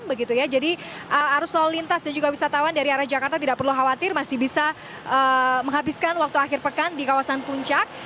begitu ya jadi arus lalu lintas dan juga wisatawan dari arah jakarta tidak perlu khawatir masih bisa menghabiskan waktu akhir pekan di kawasan puncak